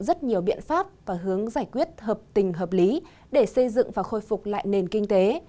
có rất nhiều biện pháp và hướng giải quyết hợp tình hợp lý để xây dựng và khôi phục lại nền kinh tế